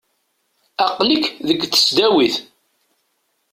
Aqqel-ik deg tesdawit.